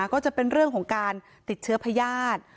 ก็จะเป็นเรื่องของการติดเชื้อพญาติ